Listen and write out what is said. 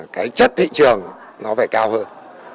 cái chất thị trường nó phải cao hơn